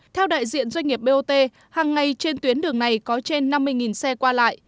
theo đại diện doanh nghiệp bot hàng ngày trên tuyến đường này có trên năm mươi xe qua lại